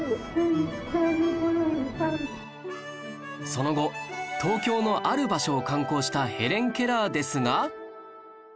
その後東京のある場所を観光したヘレン・ケラーですが